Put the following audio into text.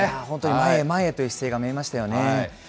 本当に前へ前へという姿勢が見えましたよね。